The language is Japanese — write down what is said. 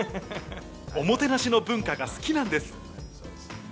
おもてなしの文化が好きなんです。